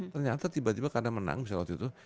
ternyata tiba tiba karena menang bisa waktu itu